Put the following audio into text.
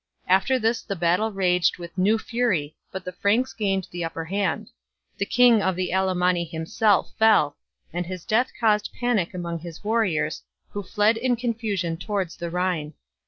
After this the battle raged with new fury, but the Franks gained the upper hand ; the king of the Allemanni himself fell, and his death caused panic among his warriors, who fled in confusion towards the Rhine.